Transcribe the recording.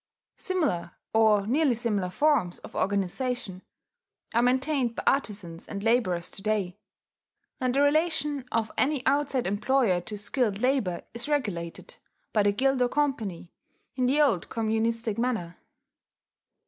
Similar or nearly similar forms of organization are maintained by artizans and labourers to day; and the relation of any outside employer to skilled labour is regulated, by the guild or company, in the old communistic manner....